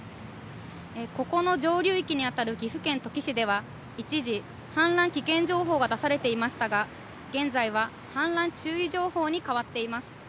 ここの上流域に当たる岐阜県土岐市では、一時、氾濫危険情報が出されていましたが、現在は氾濫注意情報に変わっています。